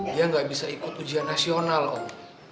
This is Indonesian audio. dia nggak bisa ikut ujian nasional om